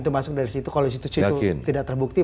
kalau dari situ tidak terbukti